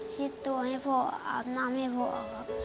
ตัวให้พ่ออาบน้ำให้พ่อครับ